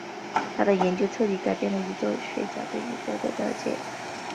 她的研究彻底改变了宇宙学家对宇宙的了解和模型建构。